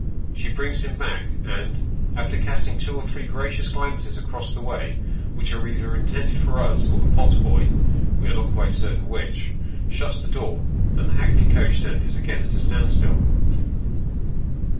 She brings him back, and, after casting two or three gracious glances across the way, which are either intended for us or the pot boy (we are not quite certain which), shuts the door, and the hackney coach stand is again at a standstill.